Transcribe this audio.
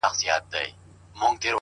زحمت د موخو د رسېدو پل دی’